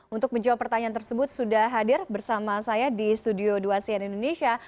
untuk menjawab pertanyaan tersebut sudah hadir bersama saya di studio dua cn indonesia